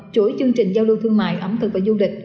chuỗi chương trình giao lưu thương mại ẩm thực và du lịch